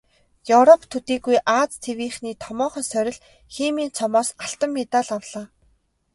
Европ төдийгүй Ази тивийнхний томоохон сорил "Химийн цом"-оос алтан медаль авлаа.